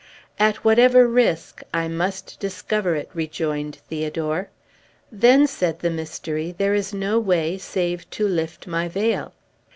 "At whatever risk, I must discover it," rejoined Theodore. "Then," said the Mystery, "there is no way save to lift my veil."